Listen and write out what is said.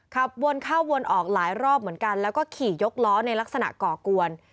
ขับวนเข้าวนออกหลายรอบเหมือนกันแล้วก็ขี่ยกล้อในลักษณะก่อกวน